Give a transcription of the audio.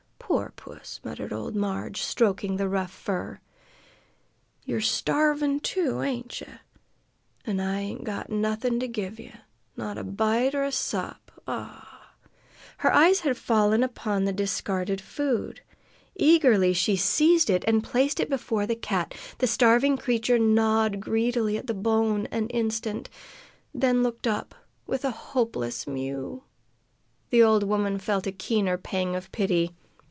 "Poor puss!" muttered old Marg, stroking the rough fur. "You're starvin', too, ain't ye? an' I ain't got nothin' to give ye, not a bite or a sup. Ah!" Her eyes had fallen upon the discarded food. Eagerly she seized it and placed it before the cat; the starving creature gnawed greedily at the bone an instant, then looked up with a hopeless mew. The old woman felt a keener pang of pity.